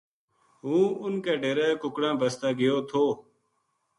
ہوں اُنھ کے ڈیرے کُکڑاں بسطے گیو تھو